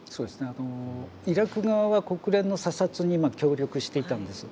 あのイラク側は国連の査察にまあ協力していたんです。